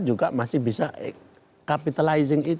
dan juga masih bisa capitalizing itu